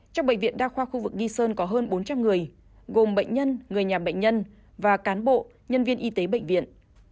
trong bệnh viện đa khoa khu vực nghi sơn có hơn bốn trăm linh người gồm bệnh nhân người nhà bệnh nhân và cán bộ nhân viên y tế bệnh viện